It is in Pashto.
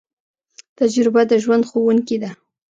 تجربه د ژوند ښوونکی ده